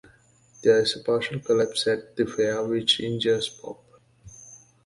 There is a partial collapse at the fair which injures Pop.